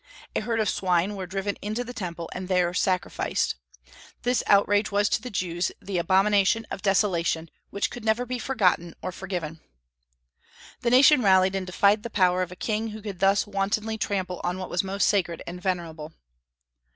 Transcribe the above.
A herd of swine were driven into the Temple, and there sacrificed. This outrage was to the Jews "the abomination of desolation," which could never be forgotten or forgiven. The nation rallied and defied the power of a king who could thus wantonly trample on what was most sacred and venerable.